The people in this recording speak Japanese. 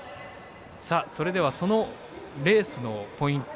それでは、そのレースのポイント